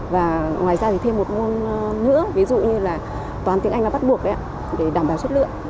và ngoài ra thì thêm một môn nữa ví dụ như là toán tiếng anh là bắt buộc đấy ạ để đảm bảo chất lượng